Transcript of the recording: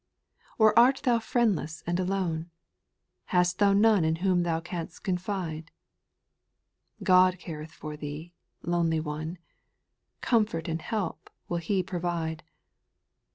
) 3. Or art thou friendless and alone, Hast none in whom thou canst confide ? God careth for thee, lonely one, Comfort and help will He provide.